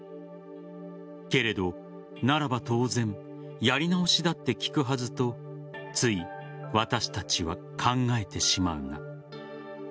けれど、ならば当然やり直しだってきくはずとつい、私たちは考えてしまうが。